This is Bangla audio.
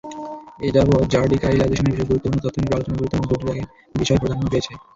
এযাবৎ র্যাডিকালাইজেশন-বিষয়ক গুরুত্বপূর্ণ তথ্যনির্ভর আলোচনাগুলোতে মোটা দাগে দুটি বিষয় প্রাধান্য পেয়েছে।